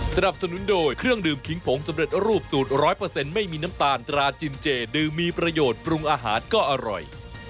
สนับสนุนโดยเครื่องดื่มขิงผงสำเร็จรูปสูตร๑๐๐ไม่มีน้ำตาลตราจินเจดื่มมีประโยชน์ปรุงอาหารก็อร่อย